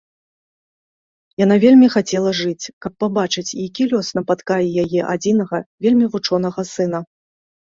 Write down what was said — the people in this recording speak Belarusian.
Яна вельмі хацела жыць, каб пабачыць, які лёс напаткае яе адзінага вельмі вучонага сына.